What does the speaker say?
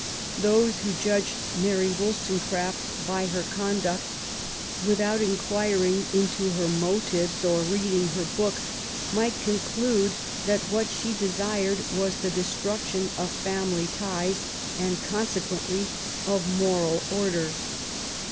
Those who judge Mary WoUstonecraft by her conduct, without inquir ing into her motives or reading her book, might con clude that what she desired was the destruction of family ties and, consequently, of moral order.